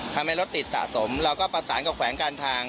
ทำให้รถติดสะสมเราก็ประสานกับแขวงการทาง